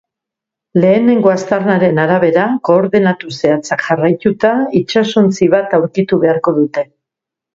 Lehenengo aztarnaren arabera, koordenatu zehatzak jarraituta itsasontzi bat aurkitu beharko dute.